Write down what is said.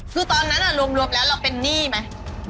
คือตอนนั้นรวมแล้วเราเป็นหนี้ไหม